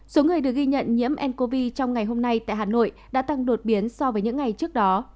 số người được ghi nhận nhiễm ncov trong ngày hôm nay tại hà nội đã tăng đột biến so với những ngày trước đó